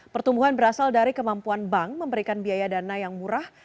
pertumbuhan berasal dari kemampuan bank memberikan biaya dana yang murah